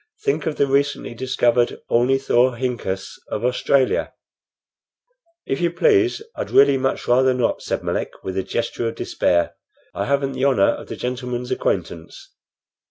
Think of the recently discovered ornithorhynchus of Australia!" "If you please, I'd really much rather not," said Melick with a gesture of despair. "I haven't the honor of the gentleman's acquaintance."